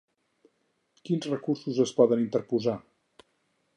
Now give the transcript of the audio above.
Quins recursos es poden interposar?